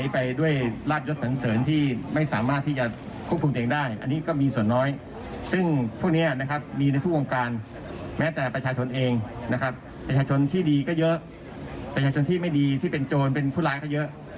ประชาชนที่ดีก็เยอะประชาชนที่ไม่ดีที่เป็นโจรเป็นผู้ร้ายก็เยอะ